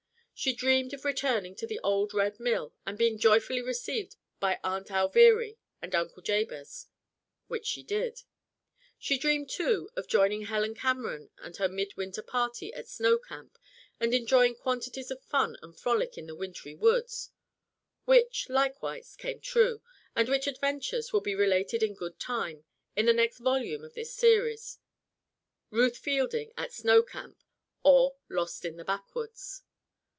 She dreamed of returning to the old Red Mill and being joyfully received by Aunt Alviry and Uncle Jabez which she did! She dreamed, too, of joining Helen Cameron and her mid winter party at Snow Camp and enjoying quantities of fun and frolic in the wintry woods; which, likewise, came true, and which adventures will be related in good time In the next volume of this series: "Ruth Fielding at Snow Camp; Or, Lost in the Backwoods."